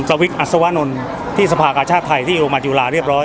สวิคอัศวนนท์ที่สภาคอาชาติไทยที่อิโรมัติยุราเรียบร้อย